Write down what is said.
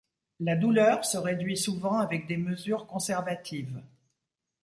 La douleur se réduit souvent avec des mesures conservatives.